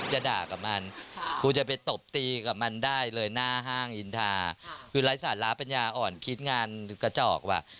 อย่าด่ากับมันกูจะไปตบตีกับมันได้เลยหน้าห้างอินทาคือไร้สาระปัญญาอ่อนคิดงานกระจอกว่ะ